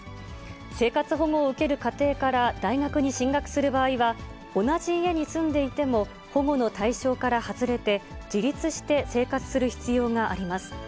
生活保護を受ける家庭から大学に進学する場合は、同じ家に住んでいても、保護の対象から外れて、自立して生活する必要があります。